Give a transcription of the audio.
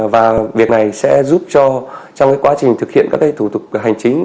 và việc này sẽ giúp cho trong cái quá trình thực hiện các cái thủ tục hành chính